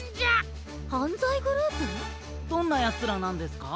どんなヤツらなんですか？